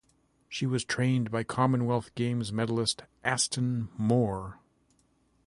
She was trained by Commonwealth Games medallist Aston Moore.